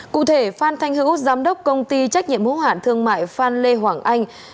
cụ thể phan thanh hữu giám đốc công ty trách nhiệm hữu hạn thương mại phan lê hoàng anh